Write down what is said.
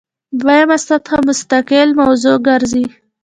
دویمه سطح مستقل موضوع ګرځي.